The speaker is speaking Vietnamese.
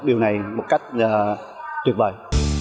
điều này một cách tuyệt vời